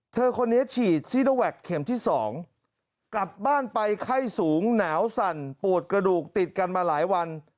เธอคนนี้ฉีดซีโนแวคเข็มที่๒กลับบ้านไปไข้สูงหนาวสั่นปวดกระดูกติดกันมาหลายวัน